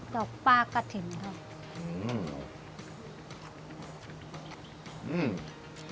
จากป้ากะถิ่นครับ